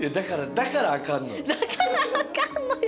だからあかんのよ。